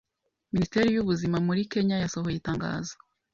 Minisiteri y'ubuzima muri Kenya yasohoye itangazo